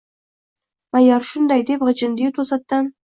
Mayor shunday deb g‘ijindi-yu, to‘satdan: